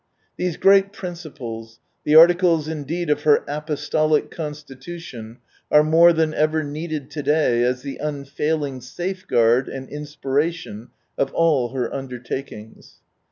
These great principles, the articles indeed of her apostolic constitution, are more than ever needed to day as the unfailing safeguard and inspiration of all her undertakings.